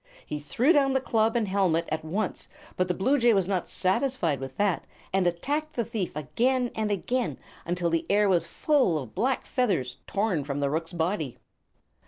He threw down the club and helmet at once; but the bluejay was not satisfied with that, and attacked the thief again and again, until the air was full of black feathers torn from the rook's body.